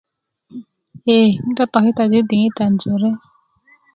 ye 'n totokitaju i diŋitan jore